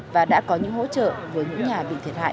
và đã có những hỗ trợ với những nhà bị thiệt hại